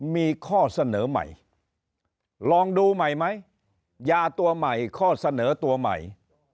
มีข้อเสนอใหม่ลองดูใหม่ไหมยาตัวใหม่ข้อเสนอตัวใหม่